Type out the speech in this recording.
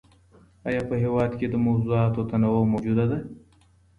آيا په هېواد کي د موضوعاتو تنوع موجوده ده؟